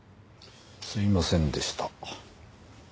すいませんでした。